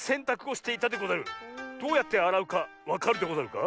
どうやってあらうかわかるでござるか？